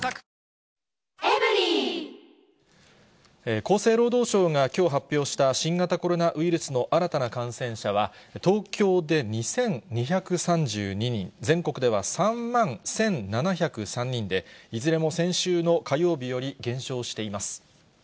厚生労働省がきょう発表した新型コロナウイルスの新たな感染者は、東京で２２３２人、全国では３万１７０３人で、いずれも先週の火曜日より減少しています。